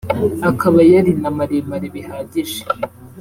akaba yari na maremare bihagije